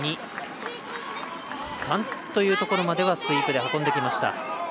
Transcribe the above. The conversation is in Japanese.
１、２、３というところまではスイープで運んできました。